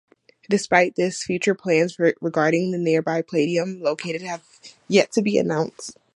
Despite this, future plans regarding the nearby Playdium location have yet to be announced.